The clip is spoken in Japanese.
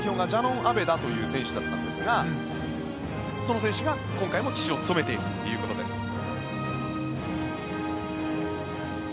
シャノン・アベダという選手だったんですがその選手が今回も旗手を務めているということです。